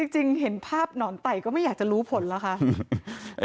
จริงเห็นภาพหนอนไต่ก็ไม่อยากจะรู้ผลแล้วค่ะ